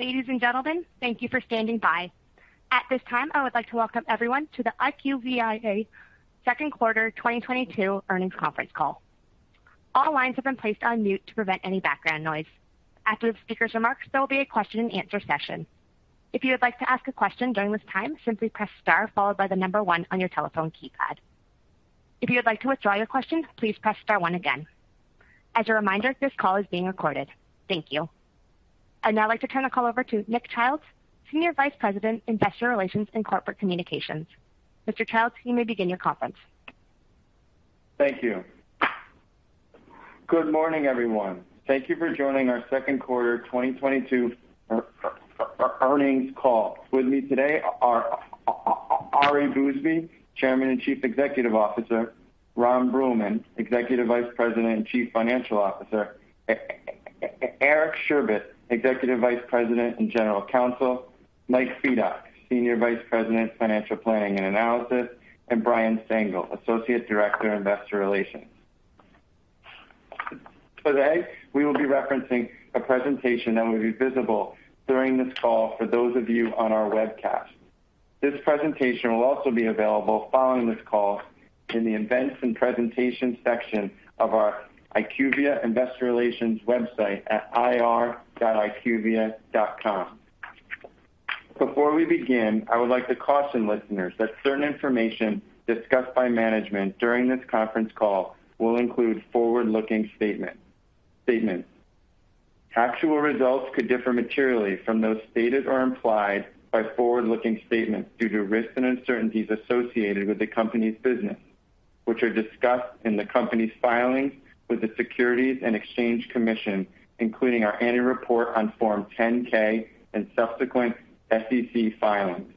Ladies and gentlemen, thank you for standing by. At this time, I would like to welcome everyone to the IQVIA Q2 2022 Earnings Conference Call. All lines have been placed on mute to prevent any background noise. After the speaker's remarks, there will be a question and answer session. If you would like to ask a question during this time, simply press star followed by the number one on your telephone keypad. If you would like to withdraw your question, please press star one again. As a reminder, this call is being recorded. Thank you. I'd now like to turn the call over to Nick Childs, Senior Vice President, Investor Relations and Corporate Communications. Mr. Childs, you may begin your conference. Thank you. Good morning, everyone. Thank you for joining our Q2 2022 Earnings Call. With me today are Ari Bousbib, Chairman and Chief Executive Officer, Ron Bruehlman, Executive Vice President and Chief Financial Officer, Eric Sherbet, Executive Vice President and General Counsel, Michael Fedock, Senior Vice President, Financial Planning and Analysis, and Brian Stengel, Associate Director, Investor Relations. Today, we will be referencing a presentation that will be visible during this call for those of you on our webcast. This presentation will also be available following this call in the Events and Presentation section of our IQVIA Investor Relations website at ir.iqvia.com. Before we begin, I would like to caution listeners that certain information discussed by management during this conference call will include forward-looking statements. Actual results could differ materially from those stated or implied by forward-looking statements due to risks and uncertainties associated with the company's business, which are discussed in the company's filings with the Securities and Exchange Commission, including our annual report on Form 10-K and subsequent SEC filings.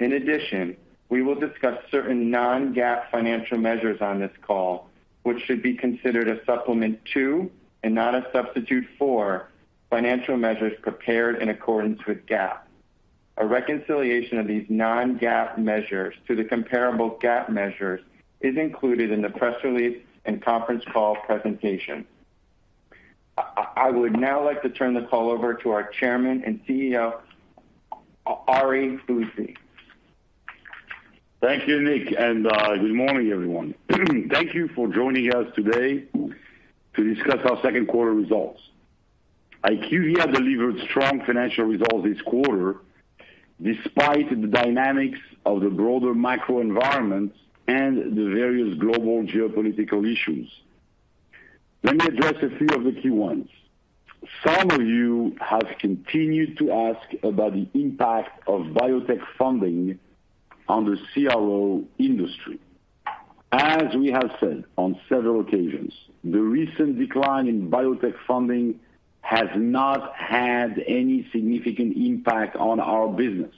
In addition, we will discuss certain non-GAAP financial measures on this call, which should be considered a supplement to, and not a substitute for, financial measures prepared in accordance with GAAP. A reconciliation of these non-GAAP measures to the comparable GAAP measures is included in the press release and conference call presentation. I would now like to turn the call over to our chairman and CEO, Ari Bousbib. Thank you, Nick, and good morning, everyone. Thank you for joining us today to discuss our Q2 results. IQVIA delivered strong financial results this quarter despite the dynamics of the broader macro environment and the various global geopolitical issues. Let me address a few of the key ones. Some of you have continued to ask about the impact of biotech funding on the CRO industry. As we have said on several occasions, the recent decline in biotech funding has not had any significant impact on our business.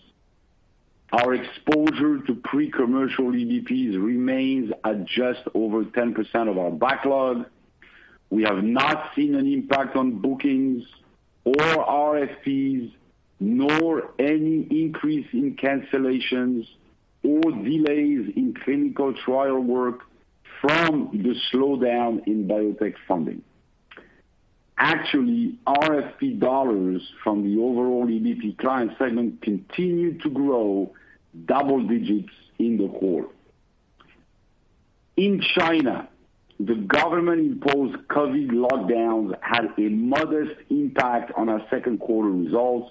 Our exposure to pre-commercial EBP remains at just over 10% of our backlog. We have not seen an impact on bookings or RFPs, nor any increase in cancellations or delays in clinical trial work from the slowdown in biotech funding. Actually, RFP dollars from the overall EBP client segment continued to grow double digits in the quarter. In China, the government-imposed COVID lockdowns had a modest impact on our Q2 results,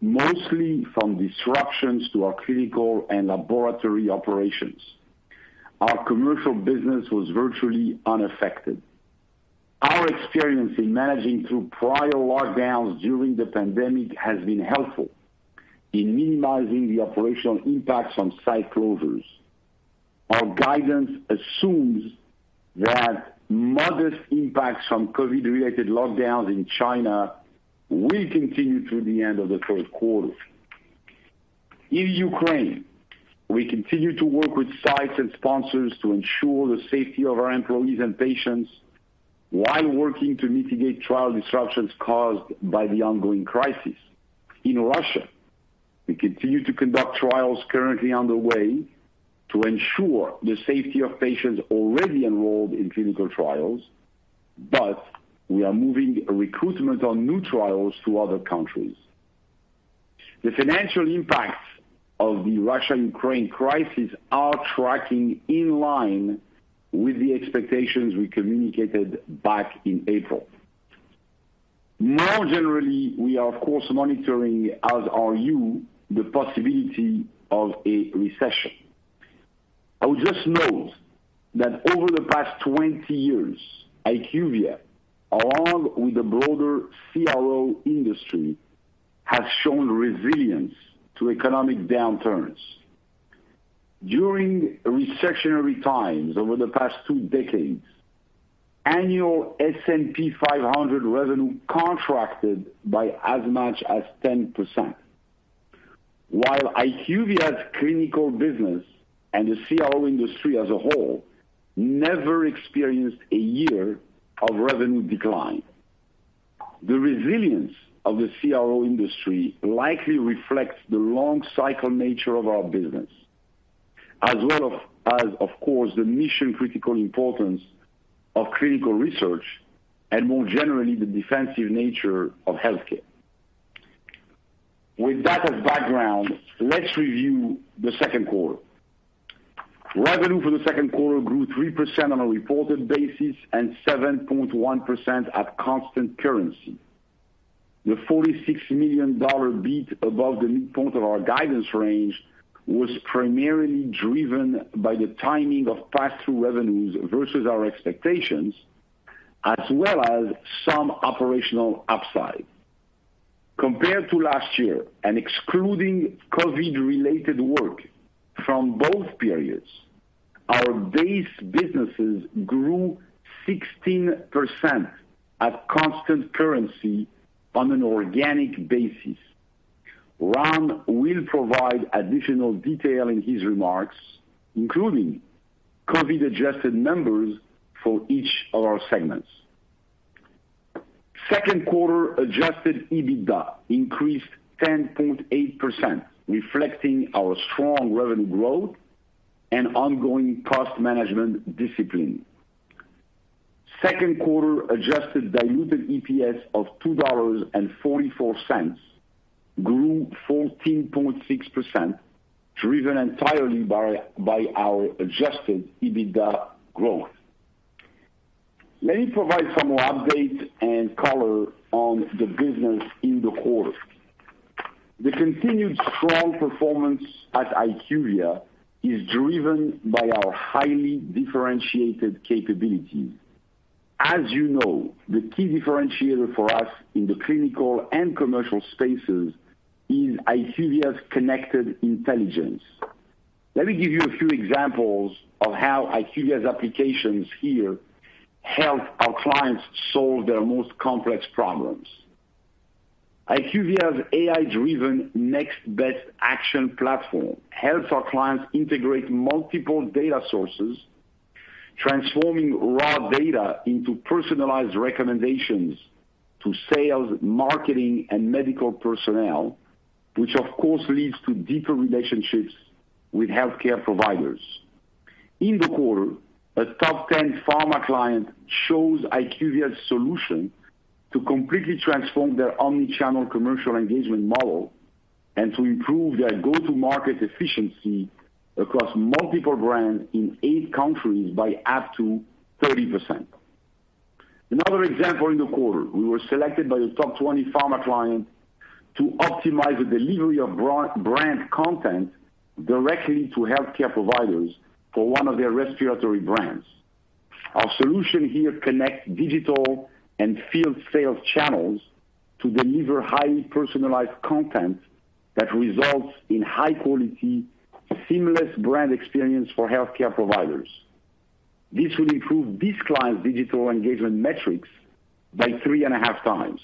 mostly from disruptions to our clinical and laboratory operations. Our commercial business was virtually unaffected. Our experience in managing through prior lockdowns during the pandemic has been helpful in minimizing the operational impacts on site closures. Our guidance assumes that modest impacts from COVID-related lockdowns in China will continue through the end of the Q3. In Ukraine, we continue to work with sites and sponsors to ensure the safety of our employees and patients while working to mitigate trial disruptions caused by the ongoing crisis. In Russia, we continue to conduct trials currently underway to ensure the safety of patients already enrolled in clinical trials, but we are moving recruitment on new trials to other countries. The financial impacts of the Russia-Ukraine crisis are tracking in line with the expectations we communicated back in April. More generally, we are of course monitoring, as are you, the possibility of a recession. I would just note that over the past 20 years, IQVIA, along with the broader CRO industry, has shown resilience to economic downturns. During recessionary times over the past two decades, annual S&P 500 revenue contracted by as much as 10%. While IQVIA's clinical business and the CRO industry as a whole never experienced a year of revenue decline. The resilience of the CRO industry likely reflects the long cycle nature of our business, as well as, of course, the mission-critical importance of clinical research and more generally, the defensive nature of healthcare. With that as background, let's review the Q2. Revenue for the Q2 grew 3% on a reported basis and 7.1% at constant currency. The $46 million beat above the midpoint of our guidance range was primarily driven by the timing of pass-through revenues versus our expectations, as well as some operational upside. Compared to last year and excluding COVID-related work from both periods, our base businesses grew 16% at constant currency on an organic basis. Ram will provide additional detail in his remarks, including COVID-adjusted numbers for each of our segments. Q2 adjusted EBITDA increased 10.8%, reflecting our strong revenue growth and ongoing cost management discipline. Q2 adjusted diluted EPS of $2.44 grew 14.6%, driven entirely by our adjusted EBITDA growth. Let me provide some more updates and color on the business in the quarter. The continued strong performance at IQVIA is driven by our highly differentiated capabilities. As you know, the key differentiator for us in the clinical and commercial spaces is IQVIA's connected intelligence. Let me give you a few examples of how IQVIA's applications here help our clients solve their most complex problems. IQVIA's AI-driven Next Best Action platform helps our clients integrate multiple data sources, transforming raw data into personalized recommendations to sales, marketing, and medical personnel, which of course leads to deeper relationships with healthcare providers. In the quarter, a top 10 pharma client chose IQVIA's solution to completely transform their omni-channel commercial engagement model and to improve their go-to-market efficiency across multiple brands in eight countries by up to 30%. Another example in the quarter, we were selected by a top 20 pharma client to optimize the delivery of brand content directly to healthcare providers for one of their respiratory brands. Our solution here connects digital and field sales channels to deliver highly personalized content that results in high-quality, seamless brand experience for healthcare providers. This will improve this client's digital engagement metrics by 3.5 times.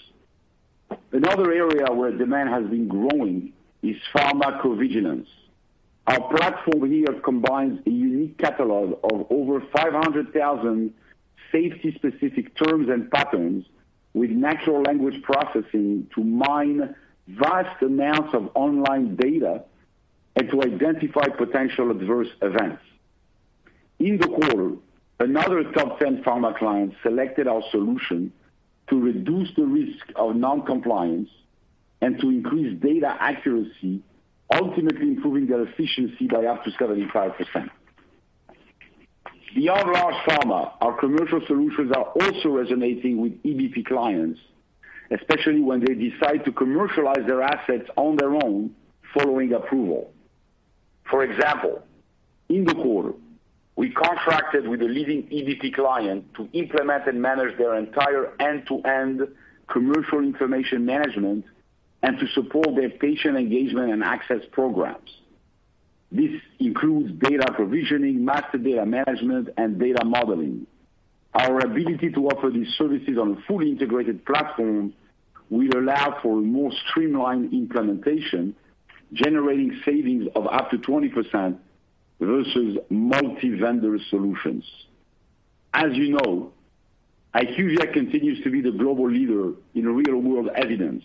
Another area where demand has been growing is pharmacovigilance. Our platform here combines a unique catalog of over 500,000 safety-specific terms and patterns with natural language processing to mine vast amounts of online data and to identify potential adverse events. In the quarter, another top 10 pharma client selected our solution to reduce the risk of non-compliance and to increase data accuracy, ultimately improving their efficiency by up to 75%. Beyond large pharma, our commercial solutions are also resonating with EBP clients, especially when they decide to commercialize their assets on their own following approval. For example, in the quarter, we contracted with a leading EBP client to implement and manage their entire end-to-end commercial information management and to support their patient engagement and access programs. This includes data provisioning, master data management, and data modeling. Our ability to offer these services on a fully integrated platform will allow for more streamlined implementation, generating savings of up to 20% versus multi-vendor solutions. As you know, IQVIA continues to be the global leader in real-world evidence.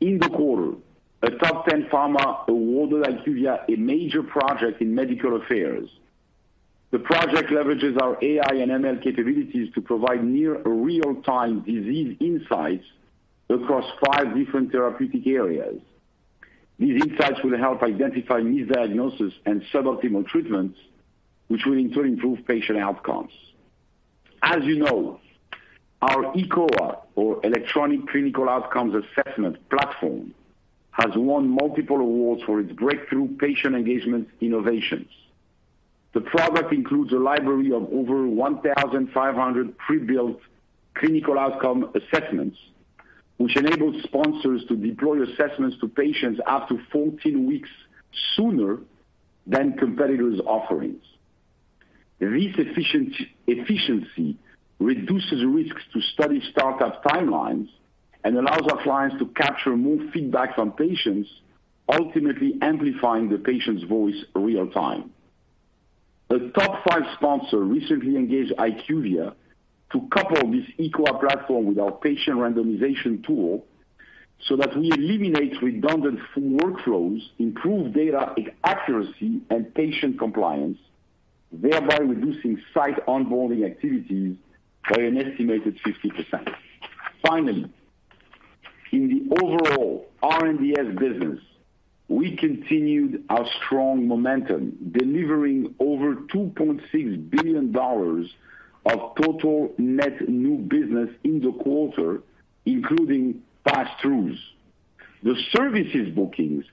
In the quarter, a top ten pharma awarded IQVIA a major project in medical affairs. The project leverages our AI and ML capabilities to provide near real-time disease insights across five different therapeutic areas. These insights will help identify misdiagnosis and suboptimal treatments, which will in turn improve patient outcomes. As you know, our eCOA or Electronic Clinical Outcomes Assessment platform has won multiple awards for its breakthrough patient engagement innovations. The product includes a library of over 1,500 pre-built clinical outcome assessments, which enables sponsors to deploy assessments to patients up to 14 weeks sooner than competitors' offerings. This efficiency reduces risks to study startup timelines and allows our clients to capture more feedback from patients, ultimately amplifying the patient's voice real-time. A top five sponsor recently engaged IQVIA to couple this eCOA platform with our patient randomization tool so that we eliminate redundant workflows, improve data accuracy and patient compliance, thereby reducing site onboarding activities by an estimated 50%. Finally, in the overall R&DS business, we continued our strong momentum, delivering over $2.6 billion of total net new business in the quarter, including pass-throughs. The services bookings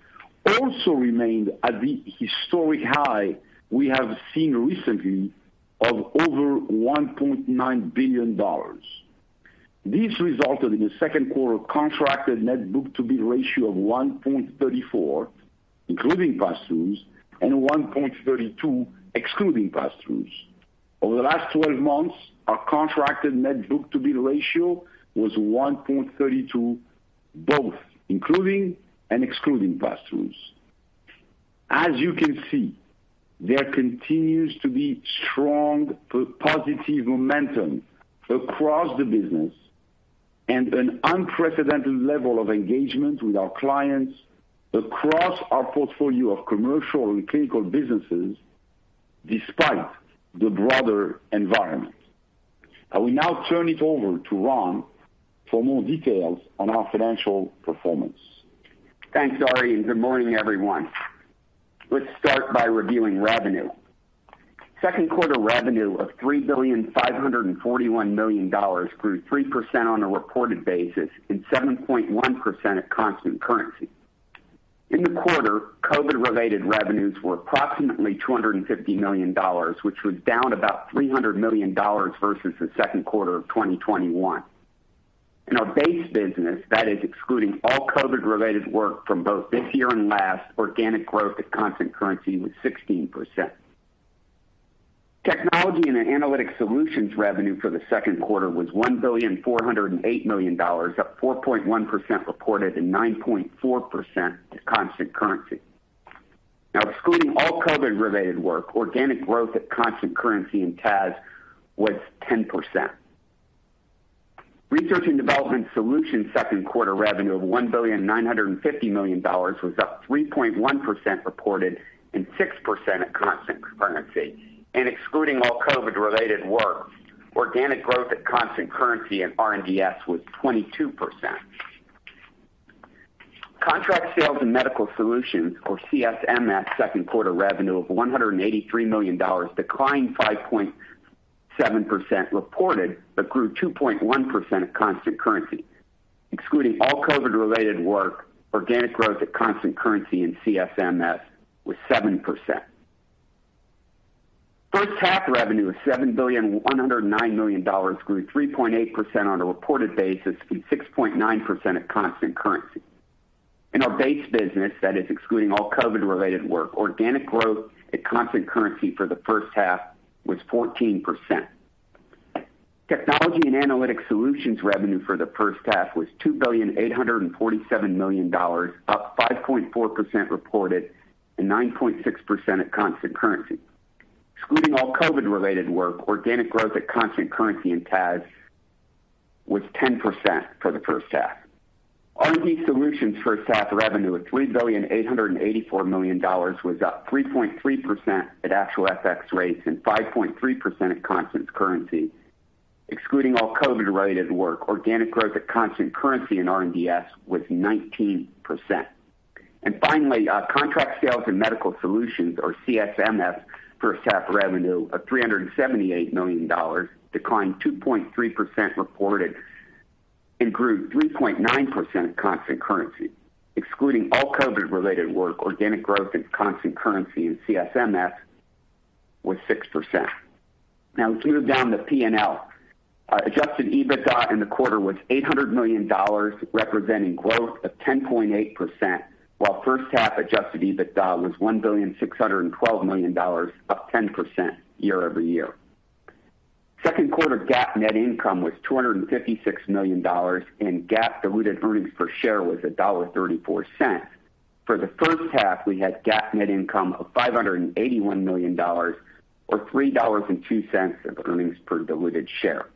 also remained at the historic high we have seen recently of over $1.9 billion. This resulted in a Q2 contracted net book-to-bill ratio of 1.34, including pass-throughs, and 1.32 excluding pass-throughs. Over the last 12 months, our contracted net book-to-bill ratio was 1.32, both including and excluding pass-throughs. As you can see, there continues to be strong positive momentum across the business and an unprecedented level of engagement with our clients across our portfolio of commercial and clinical businesses despite the broader environment. I will now turn it over to Ron for more details on our financial performance. Thanks, Ari, and good morning, everyone. Let's start by reviewing revenue. Q2 revenue of $3.541 billion grew 3% on a reported basis and 7.1% at constant currency. In the quarter, COVID-related revenues were approximately $250 million, which was down about $300 million versus the Q2 of 2021. In our base business, that is excluding all COVID-related work from both this year and last, organic growth at constant currency was 16%. Technology & Analytics Solutions revenue for the Q2 was $1.408 billion, up 4.1% reported and 9.4% at constant currency. Now, excluding all COVID-related work, organic growth at constant currency in TAS was 10%. Research & Development Solutions Q2 revenue of $1.95 billion was up 3.1% reported and 6% at constant currency. Excluding all COVID-related work, organic growth at constant currency in R&DS was 22%. Contract Sales & Medical Solutions, or CSMS, Q2 revenue of $183 million declined 5.7% reported, but grew 2.1% at constant currency. Excluding all COVID-related work, organic growth at constant currency in CSMS was 7%. H1 revenue of $7.109 billion grew 3.8% on a reported basis and 6.9% at constant currency. In our base business, that is excluding all COVID-related work, organic growth at constant currency for the H1 was 14%. Technology and Analytics Solutions revenue for the H1 was $2,847 million, up 5.4% reported and 9.6% at constant currency. Excluding all COVID-related work, organic growth at constant currency in TAS was 10% for the H1. R&DS H1 revenue of $3,884 million was up 3.3% at actual FX rates and 5.3% at constant currency. Excluding all COVID-related work, organic growth at constant currency in R&DS was 19%. Finally, our Contract Sales and Medical Solutions or CSMS H1 revenue of $378 million declined 2.3% reported and grew 3.9% at constant currency. Excluding all COVID-related work, organic growth at constant currency in CSMS was 6%. Now let's move down the P&L. Adjusted EBITDA in the quarter was $800 million, representing growth of 10.8%, while H1 adjusted EBITDA was $1.612 billion, up 10% year-over-year. Q2 GAAP net income was $256 million, and GAAP diluted earnings per share was $1.34. For the H1, we had GAAP net income of $581 million or $3.02 of earnings per diluted share.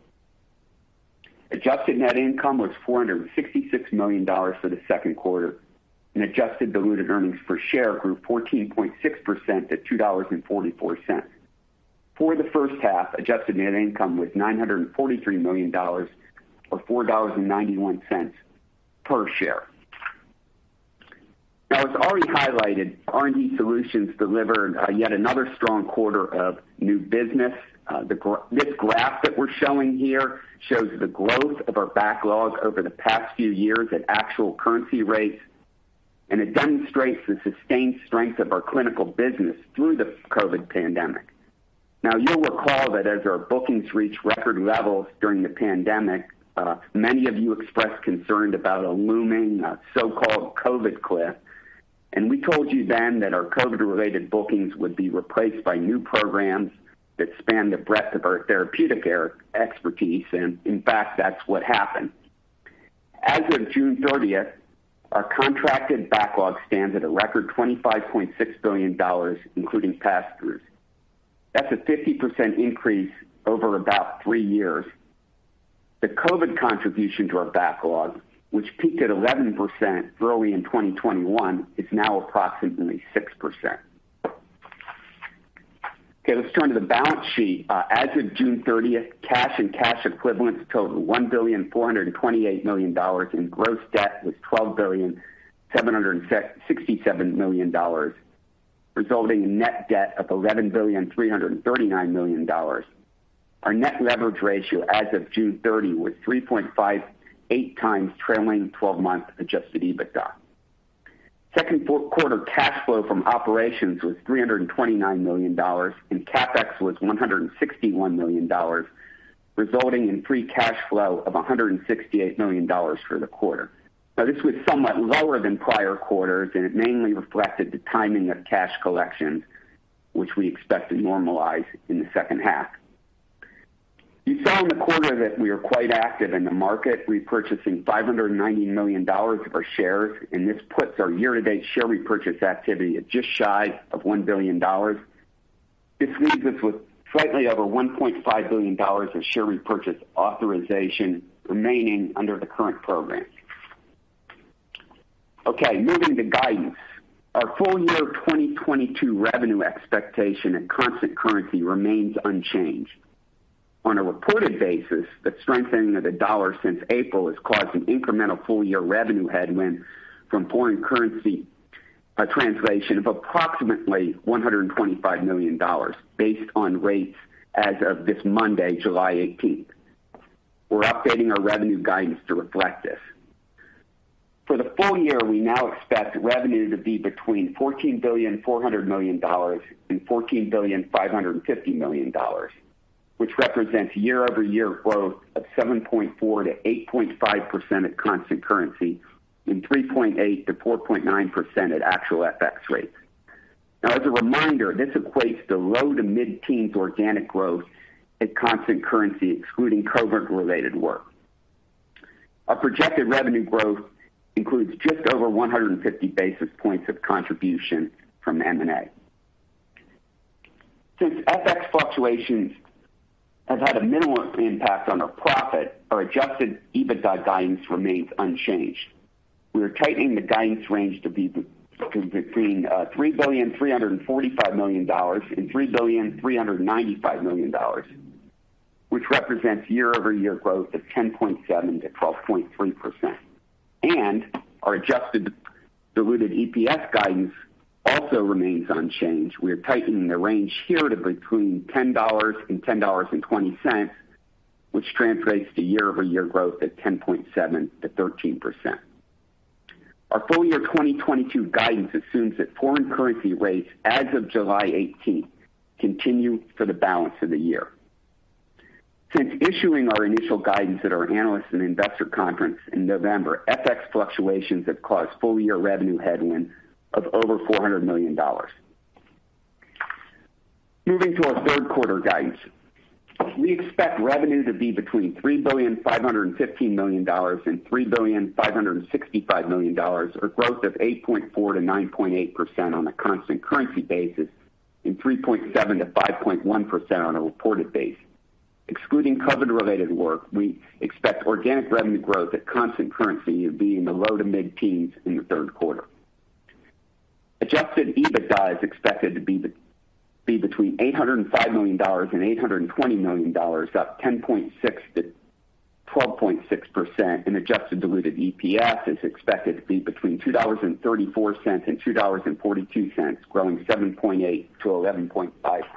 Adjusted net income was $466 million for the Q2, and adjusted diluted earnings per share grew 14.6% to $2.44. For the H1, adjusted net income was $943 million or $4.91 per share. Now, as Ari highlighted, R&D Solutions delivered yet another strong quarter of new business. The this graph that we're showing here shows the growth of our backlogs over the past few years at actual currency rates, and it demonstrates the sustained strength of our clinical business through the COVID pandemic. Now, you'll recall that as our bookings reached record levels during the pandemic, many of you expressed concern about a looming, so-called COVID cliff. We told you then that our COVID-related bookings would be replaced by new programs that span the breadth of our therapeutic expertise. In fact, that's what happened. As of June 30th, our contracted backlog stands at a record $25.6 billion, including pass-throughs. That's a 50% increase over about three years. The COVID contribution to our backlog, which peaked at 11% early in 2021, is now approximately 6%. Okay, let's turn to the balance sheet. As of June 30th, cash and cash equivalents totaled $1.428 billion, and gross debt was $12.667 billion, resulting in net debt of $11.339 billion. Our net leverage ratio as of June 30 was 3.58 times trailing twelve-month adjusted EBITDA. Q2 cash flow from operations was $329 million, and CapEx was $161 million, resulting in free cash flow of $168 million for the quarter. Now, this was somewhat lower than prior quarters, and it mainly reflected the timing of cash collections, which we expect to normalize in the H2. You saw in the quarter that we are quite active in the market, repurchasing $590 million of our shares, and this puts our year-to-date share repurchase activity at just shy of $1 billion. This leaves us with slightly over $1.5 billion of share repurchase authorization remaining under the current program. Okay, moving to guidance. Our full-year 2022 revenue expectation at constant currency remains unchanged. On a reported basis, the strengthening of the dollar since April has caused an incremental full-year revenue headwind from foreign currency translation of approximately $125 million based on rates as of this Monday, July 18th. We're updating our revenue guidance to reflect this. For the full year, we now expect revenue to be between $14.4 billion and $14.55 billion, which represents year-over-year growth of 7.4%-8.5% at constant currency and 3.8%-4.9% at actual FX rates. Now, as a reminder, this equates to low-to-mid teens organic growth at constant currency, excluding COVID-related work. Our projected revenue growth includes just over 150 basis points of contribution from M&A. Since FX fluctuations have had a minimal impact on our profit, our adjusted EBITDA guidance remains unchanged. We are tightening the guidance range to be between $3.345 billion and $3.395 billion, which represents year-over-year growth of 10.7%-12.3%. Our adjusted diluted EPS guidance also remains unchanged. We are tightening the range here to between $10 and $10.20, which translates to year-over-year growth at 10.7%-13%. Our full-year 2022 guidance assumes that foreign currency rates as of July 18 continue for the balance of the year. Since issuing our initial guidance at our Analyst and Investor Conference in November, FX fluctuations have caused full-year revenue headwind of over $400 million. Moving to our Q3 guidance. We expect revenue to be between $3.515 billion and $3.565 billion, or growth of 8.4%-9.8% on a constant currency basis and 3.7%-5.1% on a reported basis. Excluding COVID-related work, we expect organic revenue growth at constant currency of being the low-to-mid teens in the Q3. Adjusted EBITDA is expected to be between $805 million and $820 million, up 10.6%-12.6%, and adjusted diluted EPS is expected to be between $2.34 and $2.42, growing 7.8%-11.5%.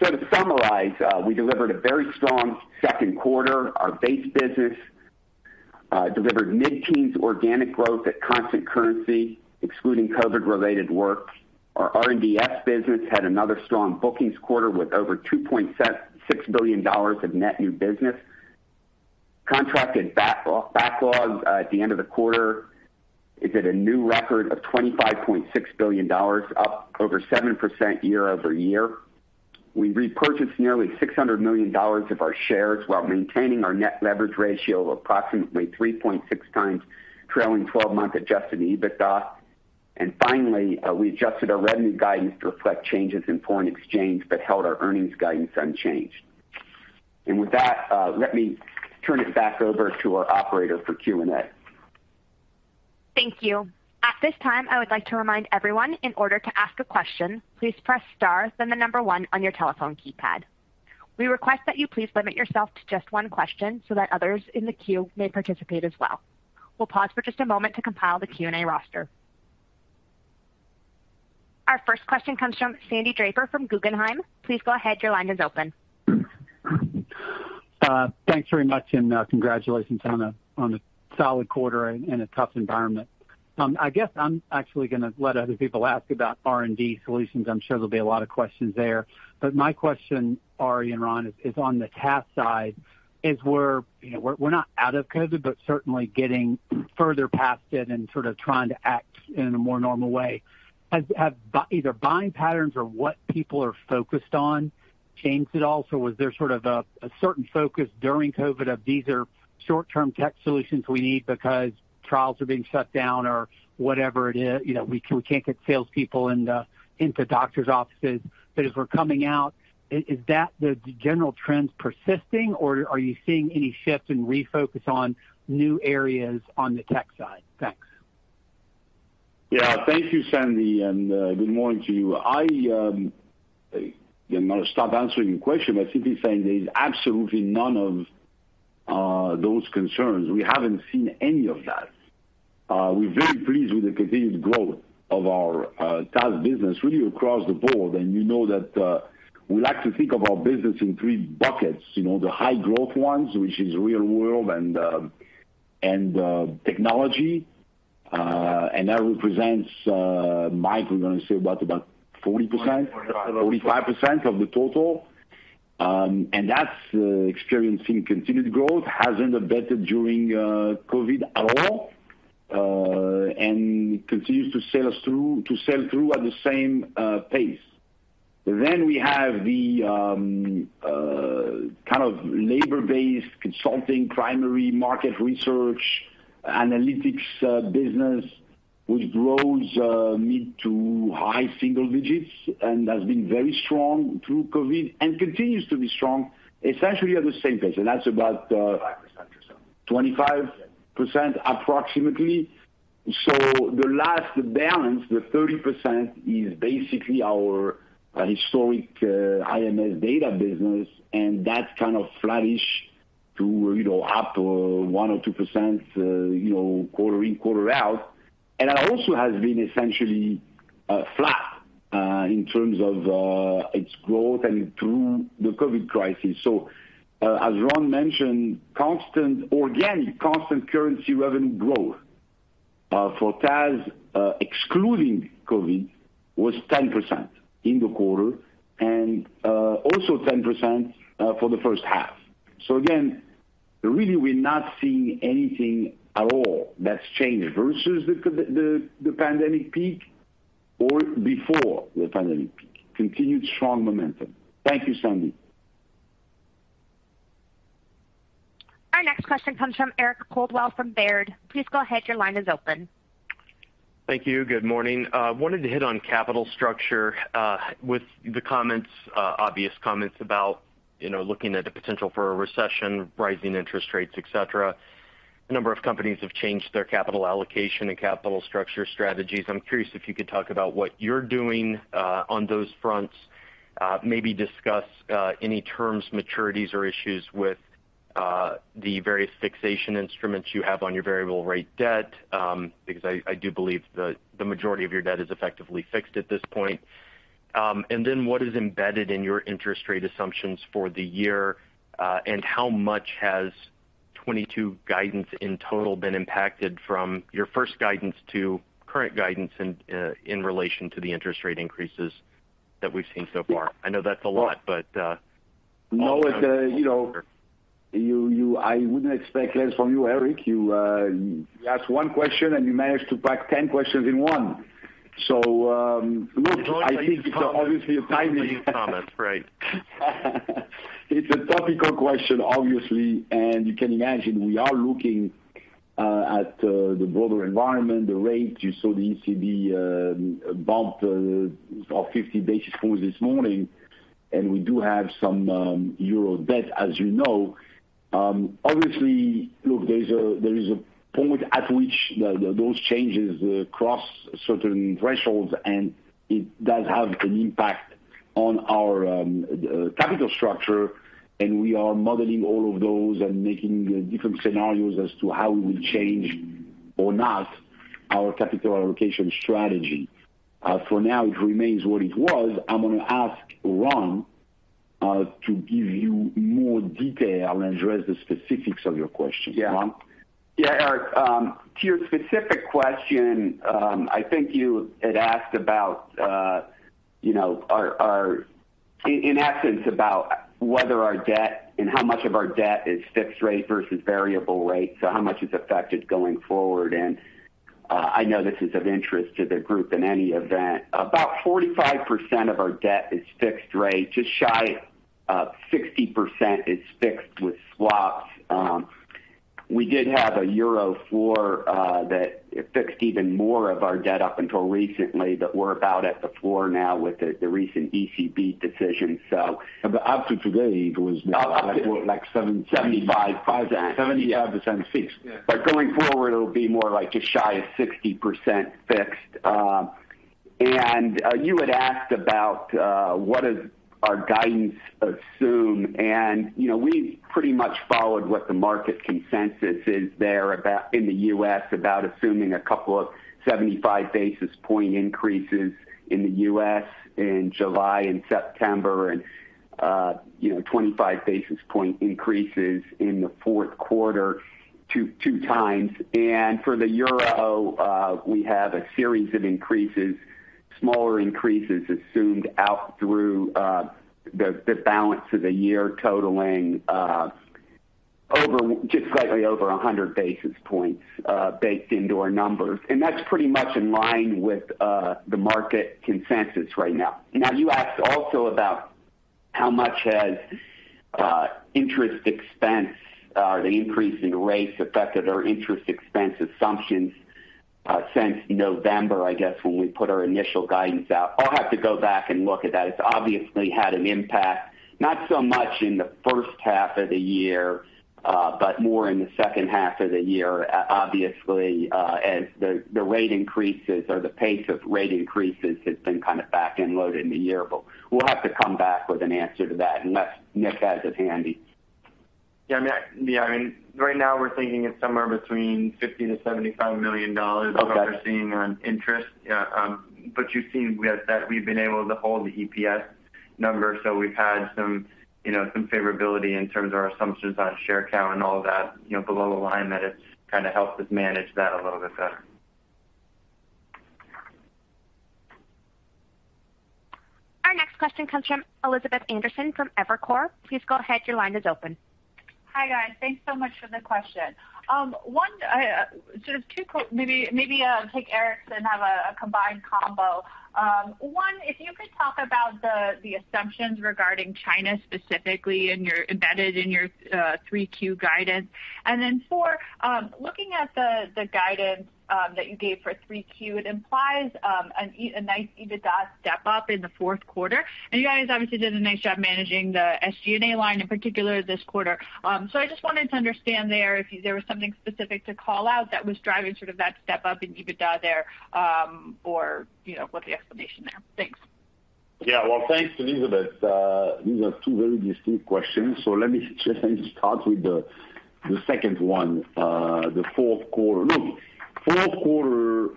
To summarize, we delivered a very strong Q2. Our base business delivered mid-teens organic growth at constant currency, excluding COVID-related work. Our R&DS business had another strong bookings quarter with over $2.6 billion of net new business. Contracted backlog at the end of the quarter is at a new record of $25.6 billion, up over 7% year-over-year. We repurchased nearly $600 million of our shares while maintaining our net leverage ratio of approximately 3.6 times trailing 12-month Adjusted EBITDA. Finally, we adjusted our revenue guidance to reflect changes in foreign exchange that held our earnings guidance unchanged. With that, let me turn it back over to our operator for Q&A. Thank you. At this time, I would like to remind everyone in order to ask a question, please press star, then the number one on your telephone keypad. We request that you please limit yourself to just one question so that others in the queue may participate as well. We'll pause for just a moment to compile the Q&A roster. Our first question comes from Sandy Draper from Guggenheim. Please go ahead. Your line is open. Thanks very much and congratulations on a solid quarter in a tough environment. I guess I'm actually gonna let other people ask about R&D solutions. I'm sure there'll be a lot of questions there. My question, Ari and Ron, is on the TAS side. We're, you know, we're not out of COVID, but certainly getting further past it and sort of trying to act in a more normal way. Has either buying patterns or what people are focused on changed at all? Was there sort of a certain focus during COVID of these are short-term tech solutions we need because trials are being shut down or whatever it is? You know, we can't get salespeople into doctors' offices as we're coming out, is that the general trends persisting, or are you seeing any shift and refocus on new areas on the tech side? Thanks. Yeah. Thank you, Sandy, and good morning to you. I'm gonna start answering your question by simply saying there's absolutely none of those concerns. We haven't seen any of that. We're very pleased with the continued growth of our TAS business really across the board. You know that we like to think of our business in three buckets, you know. The high growth ones, which is real-world and technology, and that represents, Mike, we're gonna say about 40%. Forty-five. 45% of the total. That's experiencing continued growth, hasn't abated during COVID at all, and continues to sell through at the same pace. We have the kind of labor-based consulting, primary market research, analytics business, which grows mid- to high-single digits% and has been very strong through COVID and continues to be strong essentially at the same pace. That's about 25% or so. 25% approximately. The last balance, the 30%, is basically our historic IMS data business, and that's kind of flattish to, you know, up 1% or 2%, you know, quarter in, quarter out. That also has been essentially flat in terms of its growth and through the COVID crisis. As Ron mentioned, organic constant currency revenue growth for TAS, excluding COVID, was 10% in the quarter and also 10% for the H1. Again, really we're not seeing anything at all that's changing versus the pandemic peak or before the pandemic peak. Continued strong momentum. Thank you, Sandy. Our next question comes from Eric Coldwell from Baird. Please go ahead. Your line is open. Thank you. Good morning. Wanted to hit on capital structure with the comments, obvious comments about, you know, looking at the potential for a recession, rising interest rates, etc. A number of companies have changed their capital allocation and capital structure strategies. I'm curious if you could talk about what you're doing on those fronts. Maybe discuss any terms, maturities, or issues with the various fixation instruments you have on your variable rate debt, because I do believe the majority of your debt is effectively fixed at this point. What is embedded in your interest rate assumptions for the year, and how much has 2022 guidance in total been impacted from your first guidance to current guidance in relation to the interest rate increases that we've seen so far? I know that's a lot, but. No, it's, you know, I wouldn't expect less from you, Eric. You asked one question, and you managed to pack 10 questions in one. Look, I think it's obviously a timely. I join you in comments, right. It's a topical question, obviously, and you can imagine we are looking at the broader environment, the rates. You saw the ECB bump of 50 basis points this morning, and we do have some Euro debt, as you know. Obviously, look, there is a point at which those changes cross certain thresholds, and it does have an impact on our capital structure, and we are modeling all of those and making different scenarios as to how we will change or not our capital allocation strategy. For now, it remains what it was. I'm gonna ask Ron to give you more detail and address the specifics of your question. Yeah. Ron? Yeah, Eric. To your specific question, I think you had asked about you know, in essence about whether our debt and how much of our debt is fixed rate versus variable rate, so how much it's affected going forward. I know this is of interest to the group in any event. About 45% of our debt is fixed rate. Just shy of 60% is fixed with swaps. We did have a euro floor that fixed even more of our debt up until recently, but we're about at the floor now with the recent ECB decision. Up to today it was more like seven. 75%. 75% fixed. Going forward it'll be more like just shy of 60% fixed. You had asked about what does our guidance assume. You know, we've pretty much followed what the market consensus is there about in the US, about assuming a couple of 75 basis point increases in the US in July and September and, you know, 25 basis point increases in the Q4, two times. For the Euro, we have a series of increases, smaller increases assumed out through the balance of the year, totaling just slightly over 100 basis points baked into our numbers. That's pretty much in line with the market consensus right now. Now, you asked also about how much has interest expense the increase in rates affected our interest expense assumptions since November, I guess, when we put our initial guidance out. I'll have to go back and look at that. It's obviously had an impact, not so much in the H1 of the year, but more in the H2 of the year. Obviously, as the rate increases or the pace of rate increases has been kind of back-end loaded in the year. We'll have to come back with an answer to that, unless Nick has it handy. Yeah, I mean, right now we're thinking it's somewhere between $50 million-$75 million. Okay. that we're seeing on interest. Yeah. You've seen with that we've been able to hold the EPS number. We've had some, you know, some favorability in terms of our assumptions on share count and all that, you know, below the line that it's kinda helped us manage that a little bit better. Our next question comes from Elizabeth Anderson from Evercore. Please go ahead. Your line is open. Hi, guys. Thanks so much for the question. Maybe I'll take Eric's and have a combined combo. One, if you could talk about the assumptions regarding China specifically embedded in your Q3 guidance. Then for looking at the guidance that you gave for Q3, it implies a nice EBITDA step-up in the Q4. You guys obviously did a nice job managing the SG&A line in particular this quarter. I just wanted to understand there if there was something specific to call out that was driving sort of that step-up in EBITDA there, or you know, what's the explanation there? Thanks. Yeah. Well, thanks, Elizabeth. These are two very distinct questions, so let me start with the second one, the Q4. Look, Q4,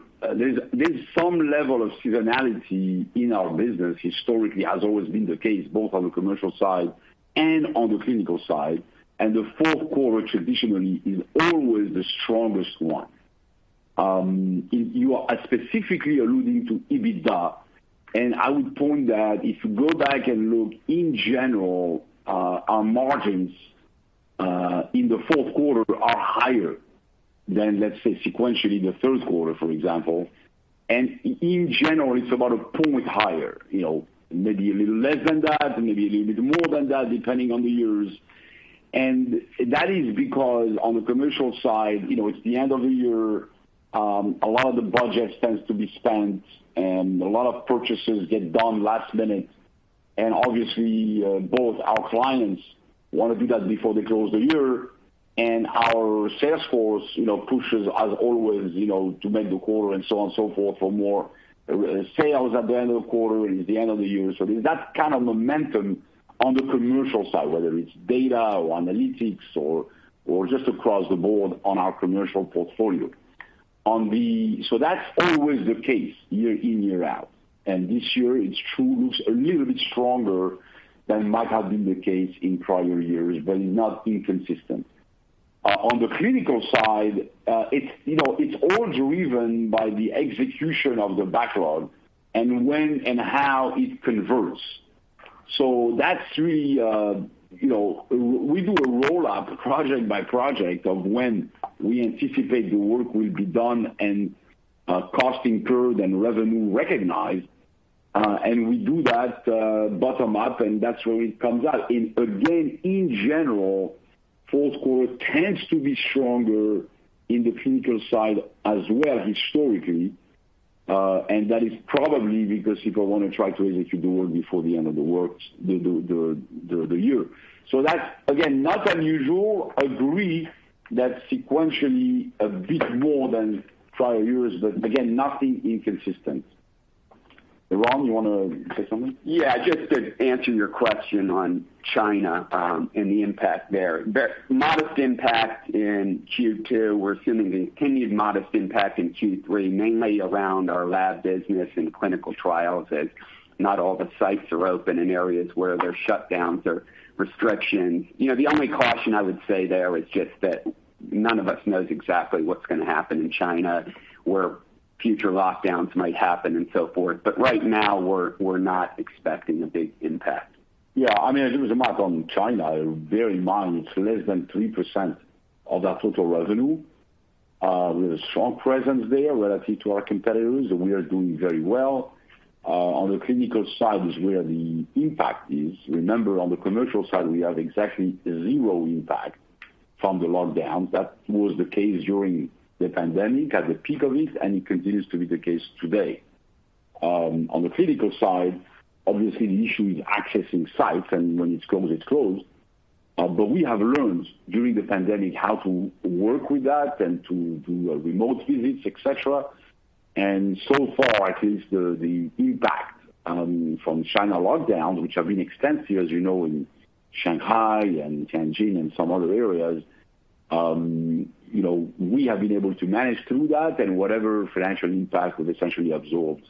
there's some level of seasonality in our business. Historically has always been the case, both on the commercial side and on the clinical side. The Q4 traditionally is always the strongest one. You are specifically alluding to EBITDA, and I would point that if you go back and look in general, our margins in the Q4 are higher than, let's say, sequentially, the Q3, for example. In general, it's about a point higher, you know, maybe a little less than that, maybe a little bit more than that, depending on the years. That is because on the commercial side, you know, it's the end of the year, a lot of the budget tends to be spent and a lot of purchases get done last minute. Obviously, both our clients wanna do that before they close the year. Our sales force, you know, pushes as always, you know, to make the quarter and so on and so forth for more sales at the end of the quarter and the end of the year. There's that kind of momentum on the commercial side, whether it's data or analytics or just across the board on our commercial portfolio. That's always the case year in, year out. This year it's true, looks a little bit stronger than might have been the case in prior years, but it's not inconsistent. On the clinical side, you know, it's all driven by the execution of the backlog and when and how it converts. That's really, you know, we do a roll-up project by project of when we anticipate the work will be done and cost incurred and revenue recognized. We do that bottom up, and that's where it comes out. Again, in general, Q4 tends to be stronger in the clinical side as well historically, and that is probably because people wanna try to execute the work before the end of the year. That's again not unusual. Agree that sequentially a bit more than prior years, but again, nothing inconsistent. Ron, you wanna say something? Yeah, just to answer your question on China, and the impact there. Very modest impact in Q2. We're assuming the continued modest impact in Q3, mainly around our lab business and clinical trials, as not all the sites are open in areas where there's shutdowns or restrictions. You know, the only caution I would say there is just that none of us knows exactly what's gonna happen in China, where future lockdowns might happen and so forth. Right now we're not expecting a big impact. Yeah, I mean, as it was a mark on China, very minor. It's less than 3% of our total revenue. We have a strong presence there relative to our competitors, and we are doing very well. On the clinical side is where the impact is. Remember, on the commercial side, we have exactly zero impact from the lockdown. That was the case during the pandemic at the peak of it, and it continues to be the case today. On the clinical side, obviously the issue is accessing sites and when it's closed, it's closed. But we have learned during the pandemic how to work with that and to do remote visits, etc. So far, at least the impact from China lockdowns, which have been extensive, as you know, in Shanghai and Tianjin and some other areas, you know, we have been able to manage through that and whatever financial impact was essentially absorbed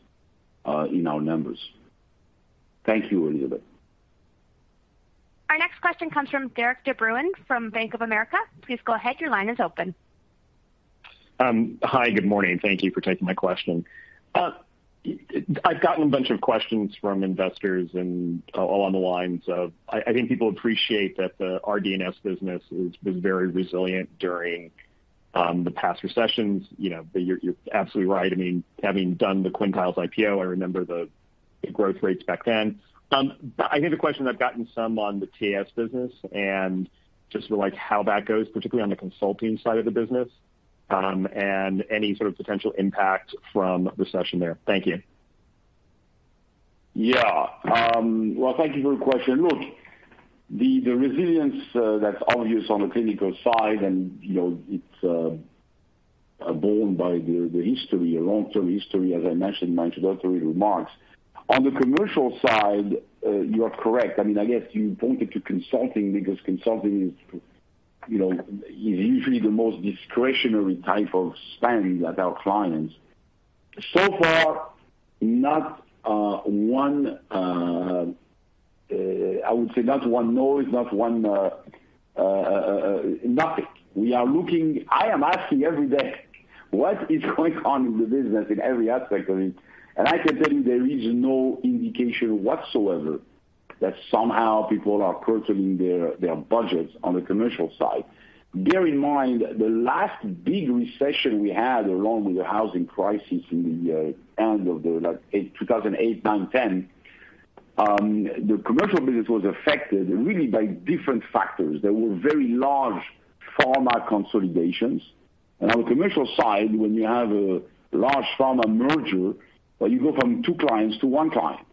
in our numbers. Thank you, Elizabeth. Our next question comes from Derik de Bruin from Bank of America. Please go ahead. Your line is open. Hi. Good morning. Thank you for taking my question. I've gotten a bunch of questions from investors and all along the lines of I think people appreciate that the R&DS business was very resilient during the past recessions. You know, but you're absolutely right. I mean, having done the Quintiles IPO, I remember the growth rates back then. I think the question I've gotten some on the TAS business and just like how that goes, particularly on the consulting side of the business, and any sort of potential impact from recession there. Thank you. Yeah. Well, thank you for the question. Look, the resilience, that's obvious on the clinical side and, you know, it's borne by the history, a long-term history, as I mentioned in my introductory remarks. On the commercial side, you are correct. I mean, I guess you pointed to consulting because consulting is, you know, usually the most discretionary type of spending at our clients. So far, not one. I would say not one, nothing. We are looking. I am asking every day what is going on in the business in every aspect of it, and I can tell you there is no indication whatsoever that somehow people are curtailing their budgets on the commercial side. Bear in mind, the last big recession we had, along with the housing crisis in the end of, like, 2008, 2009, 2010, the commercial business was affected really by different factors. There were very large pharma consolidations. On the commercial side, when you have a large pharma merger, you go from two clients to one client.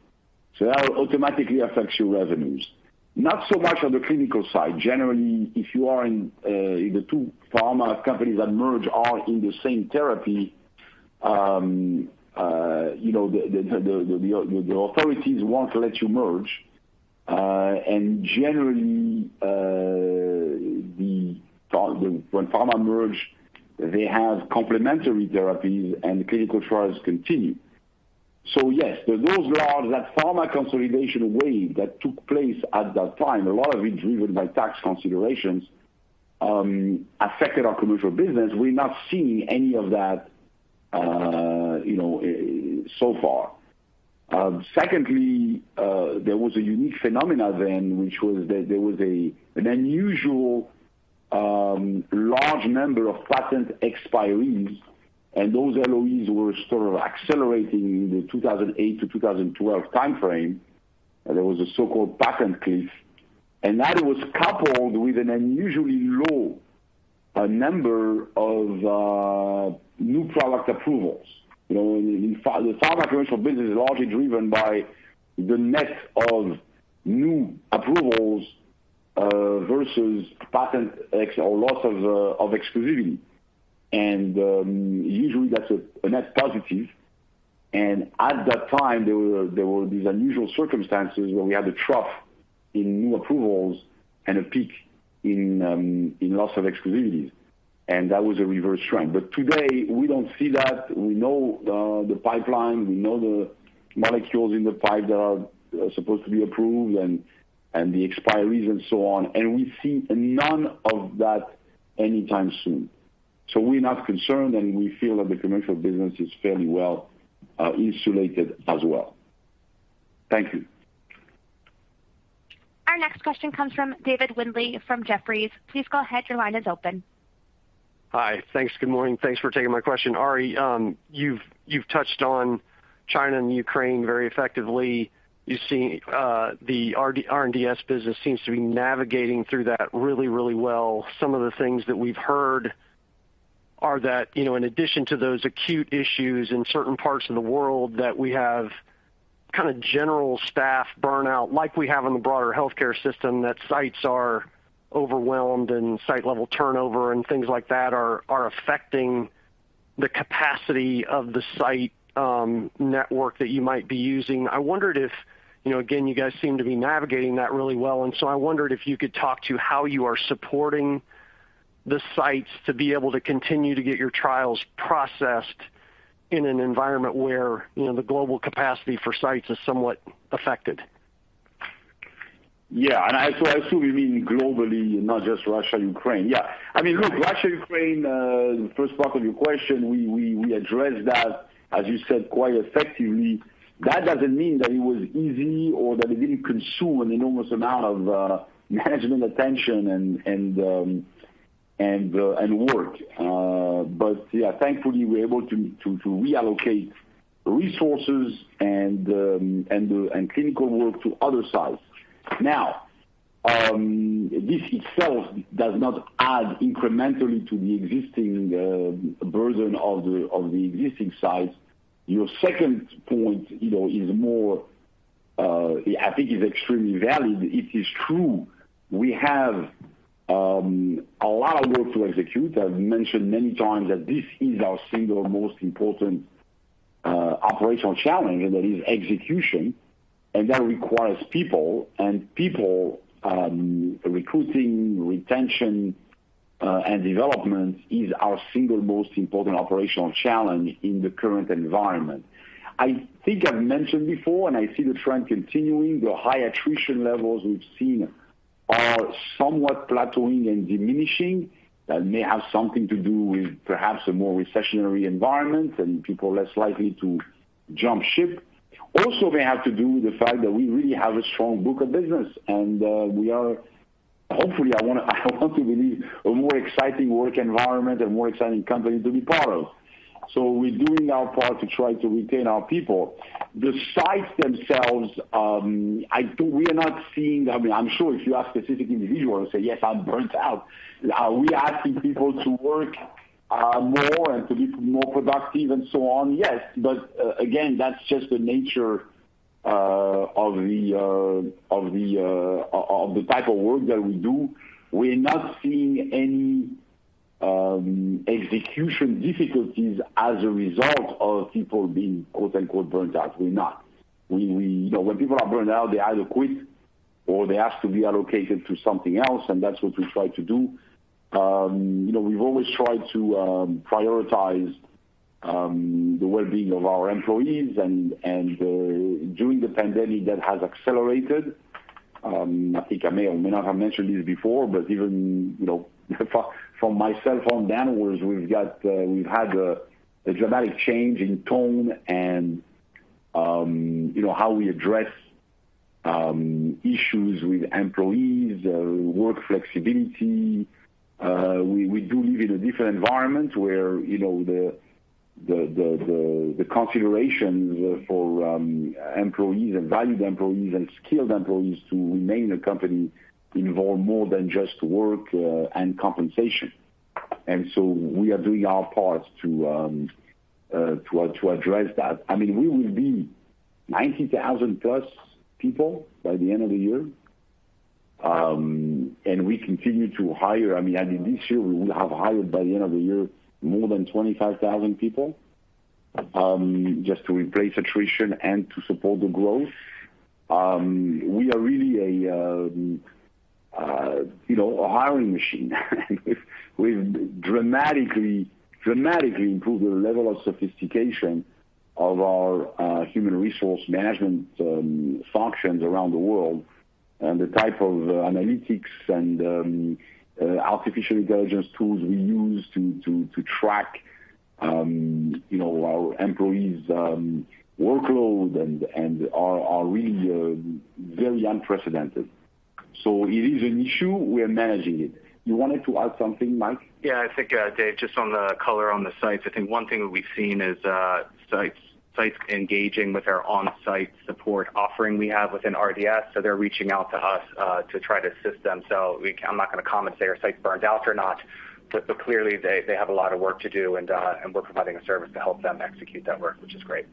So that automatically affects your revenues. Not so much on the clinical side. Generally, the two pharma companies that merge are in the same therapy, you know, the authorities won't let you merge. Generally, when pharma merge, they have complementary therapies and the clinical trials continue. Yes, that pharma consolidation wave that took place at that time, a lot of it driven by tax considerations, affected our commercial business. We're not seeing any of that, you know, so far. Secondly, there was a unique phenomenon then, which was that there was an unusual large number of patent expiries, and those LOEs were sort of accelerating in the 2008-2012 timeframe. There was a so-called patent cliff, and that was coupled with an unusually low number of new product approvals. You know, the pharma commercial business is largely driven by the net of new approvals versus patent ex or loss of exclusivity. Usually that's a net positive. At that time, there were these unusual circumstances where we had a trough in new approvals and a peak in loss of exclusivities, and that was a reverse trend. Today, we don't see that. We know the pipeline, we know the molecules in the pipe that are supposed to be approved and the expiries and so on, and we see none of that anytime soon. We're not concerned, and we feel that the commercial business is fairly well insulated as well. Thank you. Our next question comes from David Windley from Jefferies. Please go ahead. Your line is open. Hi. Thanks. Good morning. Thanks for taking my question. Ari, you've touched on China and Ukraine very effectively. You see, the R&DS business seems to be navigating through that really well. Some of the things that we've heard are that, you know, in addition to those acute issues in certain parts of the world, that we have kind of general staff burnout like we have in the broader healthcare system, that sites are overwhelmed and site level turnover and things like that are affecting the capacity of the site network that you might be using. I wondered if, you know, again, you guys seem to be navigating that really well, and so I wondered if you could talk to how you are supporting the sites to be able to continue to get your trials processed in an environment where, you know, the global capacity for sites is somewhat affected. Yeah. So I assume you mean globally and not just Russia, Ukraine. Yeah. I mean, look, Russia, Ukraine, the first part of your question, we addressed that, as you said, quite effectively. That doesn't mean that it was easy or that it didn't consume an enormous amount of management attention and work. But yeah, thankfully, we're able to reallocate resources and clinical work to other sites. Now, this itself does not add incrementally to the existing burden of the existing sites. Your second point, you know, is more, I think, extremely valid. It is true we have a lot of work to execute. I've mentioned many times that this is our single most important operational challenge, and that is execution. That requires people. People, recruiting, retention, and development is our single most important operational challenge in the current environment. I think I've mentioned before, and I see the trend continuing, the high attrition levels we've seen are somewhat plateauing and diminishing. That may have something to do with perhaps a more recessionary environment and people are less likely to jump ship. Also may have to do with the fact that we really have a strong book of business and, we are, hopefully, I want to believe a more exciting work environment, a more exciting company to be part of. We're doing our part to try to retain our people. The sites themselves, we are not seeing. I mean, I'm sure if you ask specific individuals, say, "Yes, I'm burnt out." Are we asking people to work more and to be more productive and so on? Yes. Again, that's just the nature of the type of work that we do. We're not seeing any execution difficulties as a result of people being, quote-unquote, burnt out. We're not. You know, when people are burnt out, they either quit or they ask to be allocated to something else, and that's what we try to do. You know, we've always tried to prioritize the well-being of our employees and during the pandemic, that has accelerated. I think I may or may not have mentioned this before, but even, you know, from myself on downwards, we've got, we've had a dramatic change in tone and, you know, how we address issues with employees, work flexibility. We do live in a different environment where, you know, the considerations for employees and valued employees and skilled employees to remain in the company involve more than just work and compensation. We are doing our part to address that. I mean, we will be 90,000+ people by the end of the year. We continue to hire. I mean, I think this year we will have hired by the end of the year more than 25,000 people, just to replace attrition and to support the growth. We are really, you know, a hiring machine. We've dramatically improved the level of sophistication of our human resource management functions around the world. The type of analytics and artificial intelligence tools we use to track, you know, our employees' workload and are really very unprecedented. It is an issue, we are managing it. You wanted to add something, Mike? Yeah. I think, Dave, just on the color on the sites, I think one thing that we've seen is, sites engaging with our on-site support offering we have within RDS. They're reaching out to us to try to assist them. I'm not gonna comment to say are sites burnt out or not, but clearly they have a lot of work to do and we're providing a service to help them execute that work, which is great.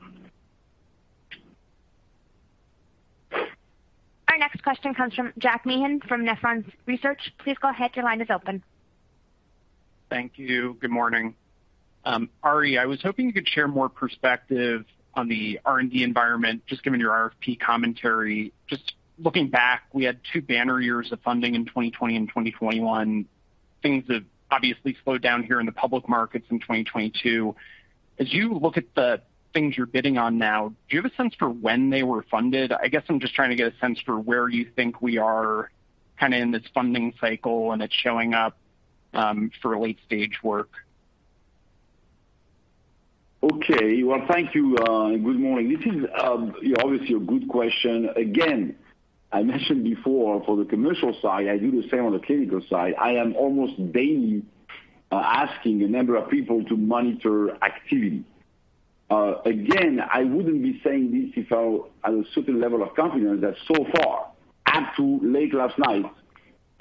Our next question comes from Jack Meehan from Nephron Research. Please go ahead, your line is open. Thank you. Good morning. Ari, I was hoping you could share more perspective on the R&D environment, just given your RFP commentary. Just looking back, we had two banner years of funding in 2020 and 2021. Things have obviously slowed down here in the public markets in 2022. As you look at the things you're bidding on now, do you have a sense for when they were funded? I guess I'm just trying to get a sense for where you think we are kinda in this funding cycle, and it's showing up for late-stage work. Okay. Well, thank you, and good morning. This is obviously a good question. Again, I mentioned before for the commercial side, I do the same on the clinical side. I am almost daily asking a number of people to monitor activity. Again, I wouldn't be saying this if I had a certain level of confidence that so far, up to late last night,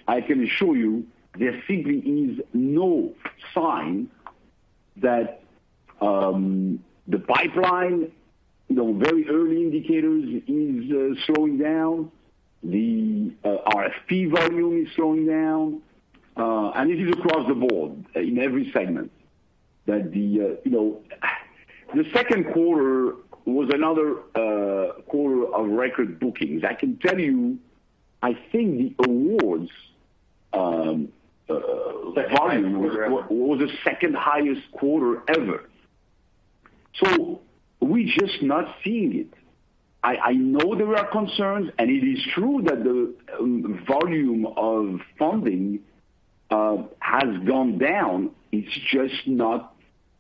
I can assure you there simply is no sign that the pipeline, you know, very early indicators is slowing down. The RFP volume is not slowing down. And this is across the board in every segment. You know, the Q2 was another quarter of record bookings. I can tell you, I think the awards volume was the second-highest quarter ever. We're just not seeing it. I know there are concerns, and it is true that the volume of funding has gone down. It's just not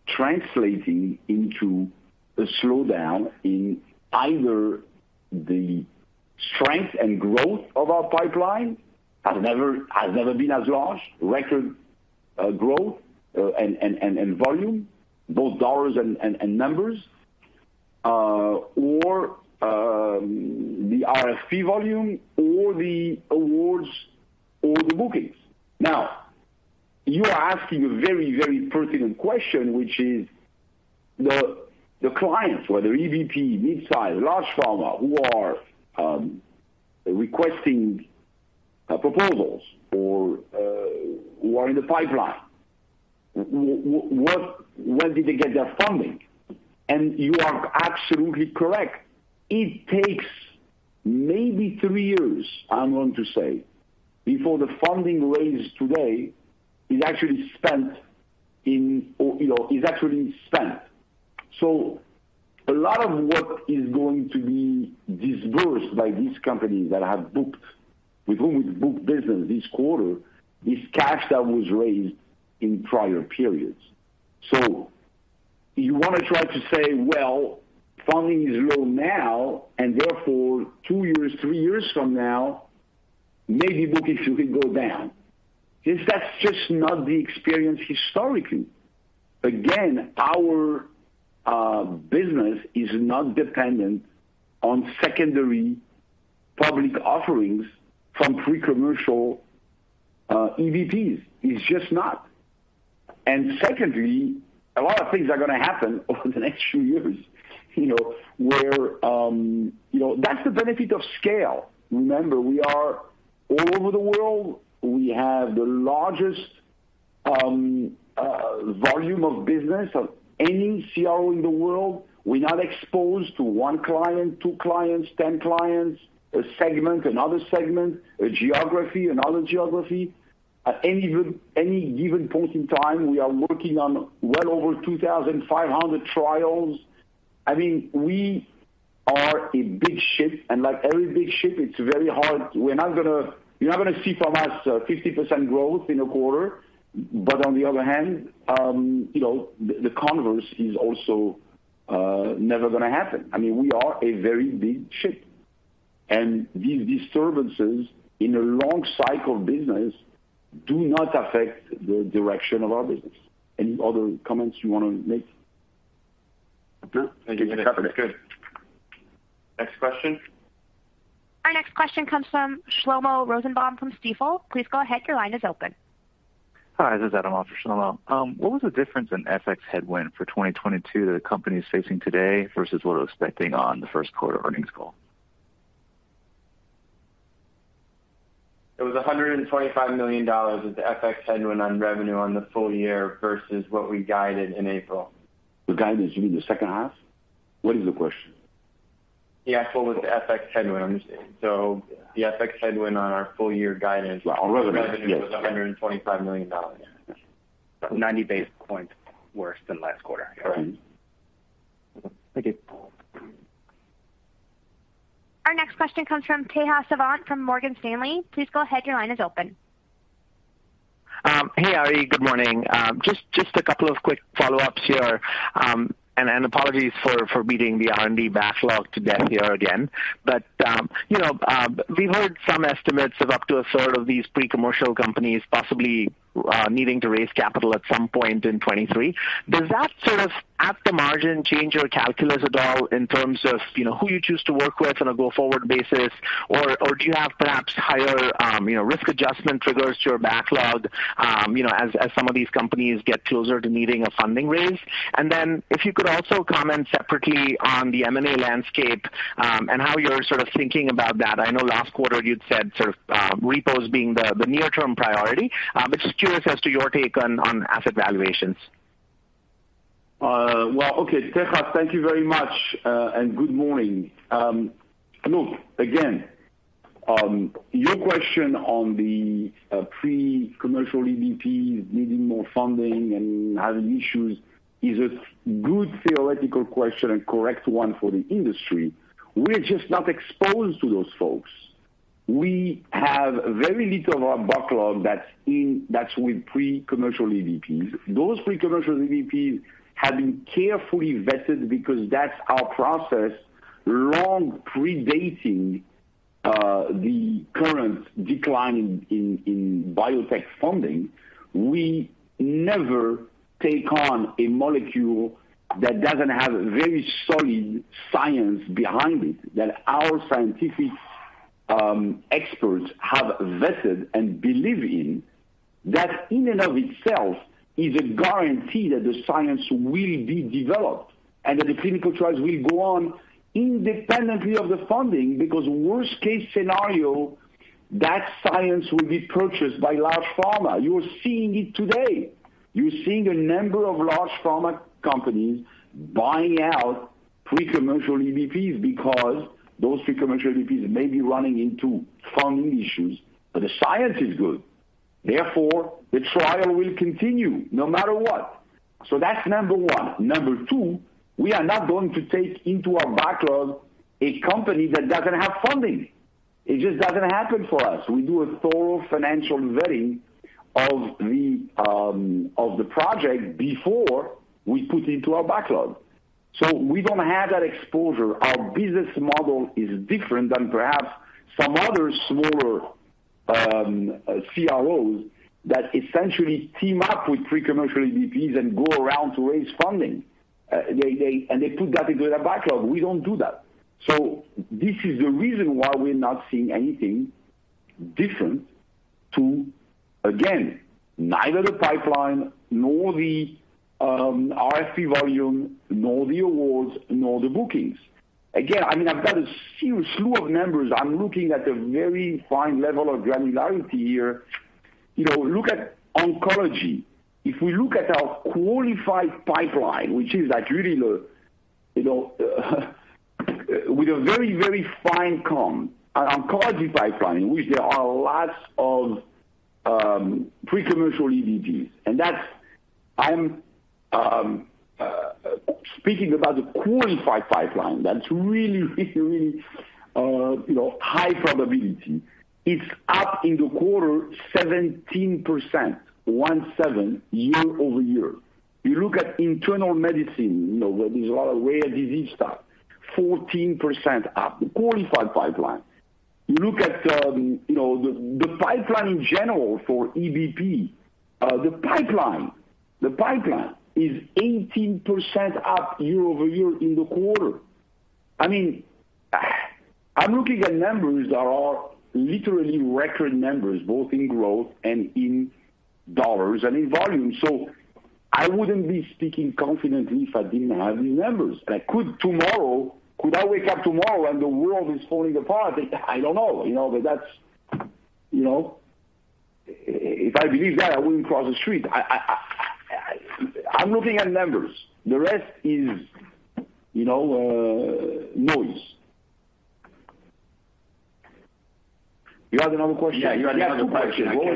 translating into a slowdown in either the strength and growth of our pipeline, has never been as large. Record growth and volume, both dollars and numbers. Or the RFP volume or the awards or the bookings. Now, you are asking a very pertinent question, which is the clients, whether EBP, mid-size, large pharma, who are requesting proposals for who are in the pipeline. When did they get their funding? You are absolutely correct. It takes maybe three years, I'm going to say, before the funding raised today is actually spent in or, you know, is actually spent. A lot of what is going to be disbursed by these companies with whom we've booked business this quarter is cash that was raised in prior periods. You wanna try to say, "Well, funding is low now, and therefore two years, three years from now, maybe bookings will go down." Yes, that's just not the experience historically. Again, our business is not dependent on secondary public offerings from pre-commercial EBPs. It's just not. Secondly, a lot of things are gonna happen over the next few years. That's the benefit of scale. Remember, we are all over the world. We have the largest volume of business of any CRO in the world. We're not exposed to one client, two clients, 10 clients, a segment, another segment, a geography, another geography. At any given point in time, we are working on well over 2,500 trials. I mean, we are a big ship, and like every big ship, it's very hard. You're not gonna see from us 50% growth in a quarter. But on the other hand, you know, the converse is also never gonna happen. I mean, we are a very big ship. These disturbances in a long cycle of business do not affect the direction of our business. Any other comments you want Nick? No. Okay. That's good. Next question. Our next question comes from Shlomo Rosenbaum from Stifel. Please go ahead. Your line is open. Hi, this is Adam on for Shlomo. What was the difference in FX headwind for 2022 that the company is facing today versus what it was expecting on the Q1 earnings call? It was $125 million with the FX headwind on revenue on the full year versus what we guided in April. The guidance, you mean the H2? What is the question? Yeah. Was the FX headwind. The FX headwind on our full-year guidance- On revenue. Q1 revenue was $125 million. 90 basis points worse than last quarter. Correct. Thank you. Our next question comes from Tejas Savant from Morgan Stanley. Please go ahead. Your line is open. Hey, Ari. Good morning. Just a couple of quick follow-ups here. Apologies for beating the R&D backlog to death here again. You know, we've heard some estimates of up to a third of these pre-commercial companies possibly needing to raise capital at some point in 2023. Does that sort of, at the margin, change your calculus at all in terms of, you know, who you choose to work with on a go-forward basis? Or do you have perhaps higher, you know, risk adjustment triggers to your backlog, you know, as some of these companies get closer to needing a funding raise? And then if you could also comment separately on the M&A landscape, and how you're sort of thinking about that. I know last quarter you'd said sort of, repos being the near-term priority. Just curious as to your take on asset valuations? Well, okay. Tejas, thank you very much, and good morning. Look, again, your question on the pre-commercial EBPs needing more funding and having issues is a good theoretical question and correct one for the industry. We're just not exposed to those folks. We have very little of our backlog that's with pre-commercial EBPs. Those pre-commercial EBPs have been carefully vetted because that's our process long predating the current decline in biotech funding. We never take on a molecule that doesn't have very solid science behind it, that our scientific experts have vetted and believe in. That in and of itself is a guarantee that the science will be developed and that the clinical trials will go on independently of the funding, because worst-case scenario, that science will be purchased by large pharma. You're seeing it today. You're seeing a number of large pharma companies buying out pre-commercial EBPs because those pre-commercial EBPs may be running into funding issues, but the science is good. Therefore, the trial will continue no matter what. That's number one. Number two, we are not going to take into our backlog a company that doesn't have funding. It just doesn't happen for us. We do a thorough financial vetting of the project before we put into our backlog. We don't have that exposure. Our business model is different than perhaps some other smaller CROs that essentially team up with pre-commercial EBPs and go around to raise funding. They put that into their backlog. We don't do that. This is the reason why we're not seeing anything different to, again, neither the pipeline nor the RFP volume, nor the awards, nor the bookings. Again, I mean, I've got a huge slew of numbers. I'm looking at a very fine level of granularity here. You know, look at oncology. If we look at our qualified pipeline, which is like really the, you know with a very, very fine comb, our oncology pipeline, which there are lots of pre-commercial EBPs. That's. I'm speaking about the qualified pipeline, that's really, really, you know, high probability. It's up in the quarter 17%, 17, year-over-year. You look at internal medicine, you know, where there's a lot of rare disease stuff, 14% up qualified pipeline. You look at, you know, the pipeline in general for EBP, the pipeline is 18% up year-over-year in the quarter. I mean, I'm looking at numbers that are literally record numbers, both in growth and in dollars and in volume. So I wouldn't be speaking confidently if I didn't have these numbers. Could I wake up tomorrow and the world is falling apart? I don't know. You know? That's, you know, if I believe that, I wouldn't cross the street. I'm looking at numbers. The rest is, you know, noise. You have another question? Yeah. You had another question. What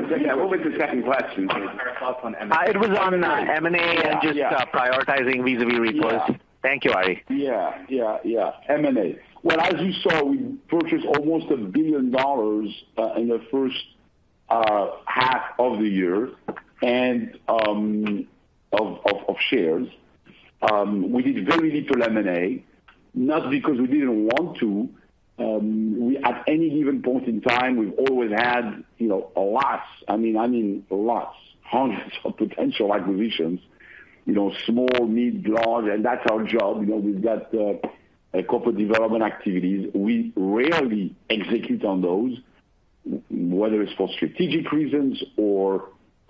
was the second question? It was on M&A and just prioritizing vis-à-vis reports. Yeah. Thank you, Ari. Yeah. Yeah, yeah. M&A. Well, as you saw, we purchased almost $1 billion in the H1 of the year and of shares. We did very little M&A, not because we didn't want to. At any given point in time, we've always had, you know, lots, I mean, lots, hundreds of potential acquisitions. You know, small, mid, large, and that's our job. You know, we've got corporate development activities. We rarely execute on those, whether it's for strategic reasons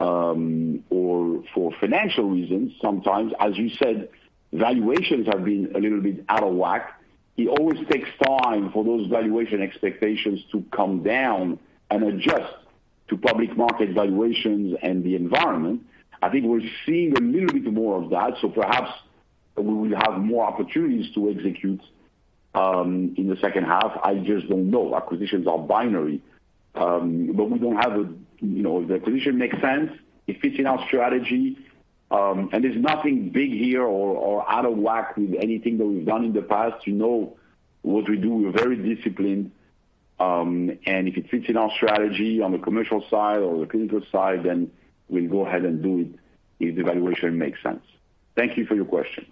or for financial reasons sometimes. As you said, valuations have been a little bit out of whack. It always takes time for those valuation expectations to come down and adjust to public market valuations and the environment. I think we're seeing a little bit more of that, so perhaps we will have more opportunities to execute in the H2. I just don't know. Acquisitions are binary. You know, if the acquisition makes sense, it fits in our strategy, and there's nothing big here or out of whack with anything that we've done in the past. You know what we do, we're very disciplined. If it fits in our strategy on the commercial side or the clinical side, then we'll go ahead and do it if the valuation makes sense. Thank you for your question.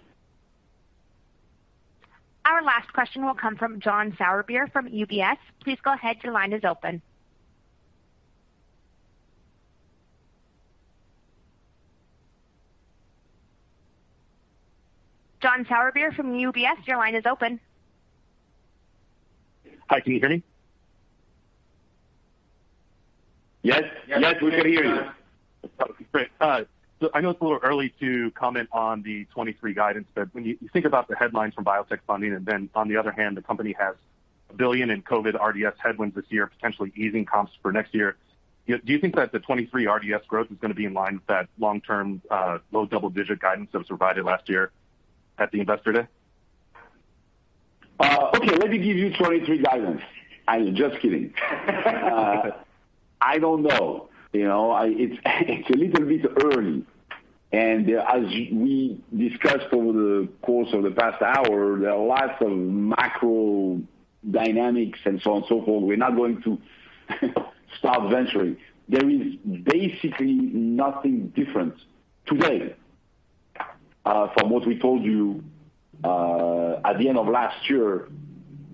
Our last question will come from John Sourbeer from UBS. Please go ahead, your line is open. John Sourbeer from UBS, your line is open. Hi, can you hear me? Yes. Yes, we can hear you. Great. So I know it's a little early to comment on the 2023 guidance, but when you think about the headlines from biotech funding, and then on the other hand, the company has $1 billion in COVID RDS headwinds this year, potentially easing comps for next year, do you think that the 2023 RDS growth is gonna be in line with that long-term, low double-digit guidance that was provided last year at the Investor Day? Okay, let me give you 2023 guidance. I'm just kidding. I don't know. You know? It's a little bit early. As we discussed over the course of the past hour, there are lots of macro dynamics and so on and so forth. We're not going to start venturing. There is basically nothing different today from what we told you at the end of last year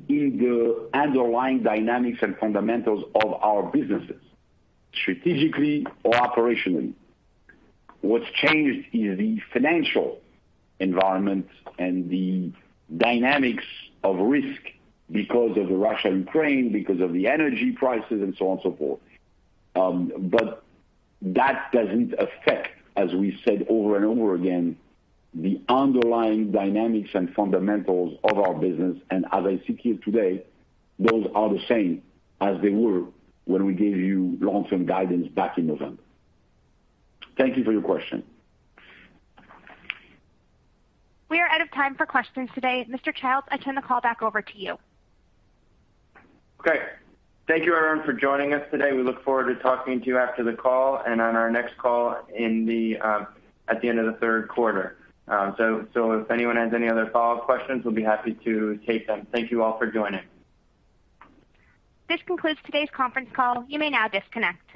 in the underlying dynamics and fundamentals of our businesses, strategically or operationally. What's changed is the financial environment and the dynamics of risk because of the Russia and Ukraine, because of the energy prices and so on and so forth. That doesn't affect, as we said over and over again, the underlying dynamics and fundamentals of our business. As I sit here today, those are the same as they were when we gave you long-term guidance back in November. Thank you for your question. We are out of time for questions today. Mr. Childs, I turn the call back over to you. Okay. Thank you everyone for joining us today. We look forward to talking to you after the call and on our next call in the at the end of the Q3. If anyone has any other follow-up questions, we'll be happy to take them. Thank you all for joining. This concludes today's conference call. You may now disconnect.